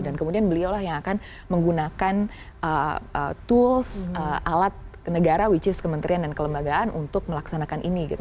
dan kemudian beliulah yang akan menggunakan tools alat negara which is kementerian dan kelembagaan untuk melaksanakan ini gitu